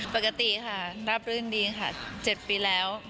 ปกติค่ะราบรื่นดีค่ะ๗ปีแล้ว